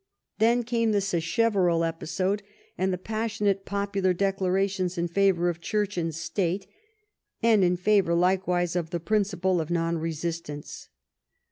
Then came the Sacheverell episode and the passionate popular declarations in favor of Church and state, and in favor, likewise, of the principle of non resistance.